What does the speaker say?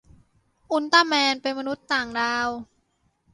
อุลตร้าแมน เป็นมนุษย์ต่างดาว